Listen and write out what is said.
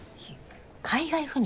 海外赴任。